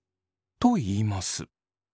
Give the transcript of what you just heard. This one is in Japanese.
と言います。